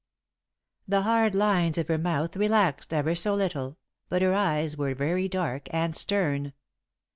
The hard lines of her mouth relaxed, ever so little, but her eyes were very dark and stern.